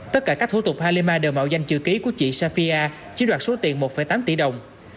tất cả các thủ tục halima đều mạo danh chữ ký của chị safia chiếm đoạt số tiền một tám tỷ đồng